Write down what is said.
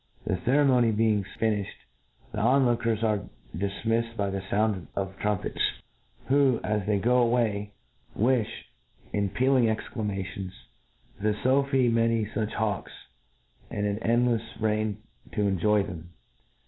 The Ceremony being feiilhed, the onlookers are difmifled by the found of trumpetSj who,, as they go away, wift, in pealing eiciamations, the Sophi many fuch hawks, and an endleis reign to enjoy them.